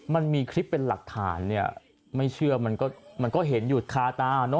มันมีคลิปเป็นหลักฐานไม่เชื่อมันก็เห็นหยุดคาตา